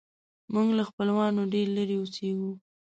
موږ له خپلوانو ډېر لیرې اوسیږو